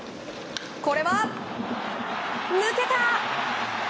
これは、抜けた！